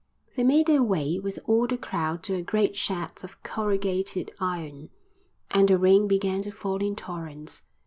They made their way with all the crowd to a great shed of corrugated iron, and the rain began to fall in torrents.